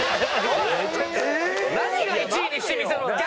何が「１位にしてみせろ」だよ！